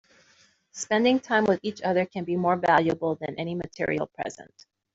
Spending time with each other can be more valuable than any material present.